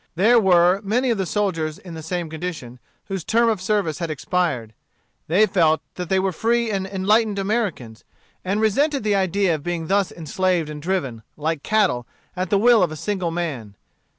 There were many of the soldiers in the same condition, whose term of service had expired. They felt that they were free and enlightened Americans, and resented the idea of being thus enslaved and driven, like cattle, at the will of a single man.